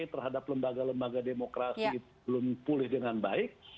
terhadap lembaga lembaga demokrasi belum pulih dengan baik